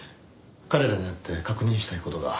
彼らに会って確認したい事が。